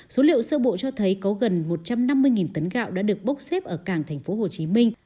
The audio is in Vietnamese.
số liệu sơ bộ cho thấy có gần một trăm năm mươi tấn gạo đã được bốc xếp ở cảng thành phố hồ chí minh